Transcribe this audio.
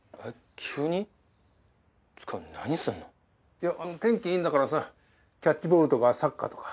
いや天気いいんだからさキャッチボールとかサッカーとか。